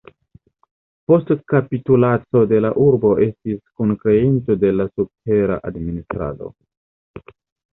Post kapitulaco de la urbo estis kunkreinto de la subtera administrado.